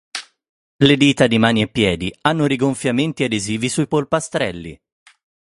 Le dita di mani e piedi hanno rigonfiamenti adesivi sui polpastrelli.